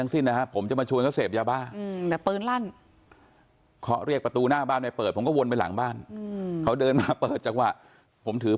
มันแข็งแรงด้วยครับแข็งแข็งจังเจ้าเรียนว่าต้องนั่งหลายอย่างใจโปรเกย์